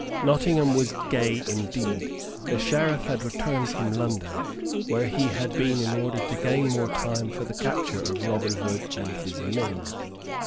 Nottingham was gay indeed. The Sheriff had returned from London, where he had been in order to gain more time for the capture of Robin Hood and his men.